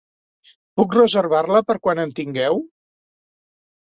Puc reservar-la per quan en tingueu?